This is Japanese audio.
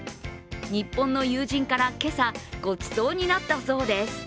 日本の友人から今朝、ごちそうになったそうです。